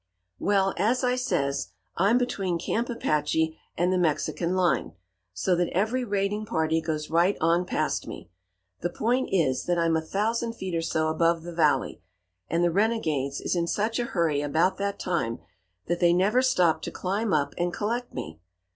"Well, as I says, I'm between Camp Apache and the Mexican line, so that every raiding party goes right on past me. The point is that I'm a thousand feet or so above the valley, and the renegades is in such a hurry about that time that they never stop to climb up and collect me.